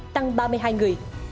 tăng ba mươi hai người